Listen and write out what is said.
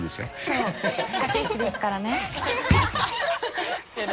そう駆け引きですからね。